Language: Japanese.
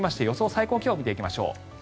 最高気温見ていきましょう。